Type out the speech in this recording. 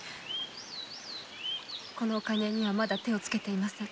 このお金にはまだ手をつけていません。